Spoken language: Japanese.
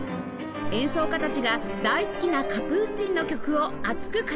演奏家たちが大好きなカプースチンの曲を熱く語ります